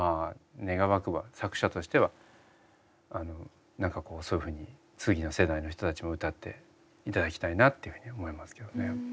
願わくば作者としては何かこうそういうふうに次の世代の人たちも歌って頂きたいなっていうふうに思いますけどね。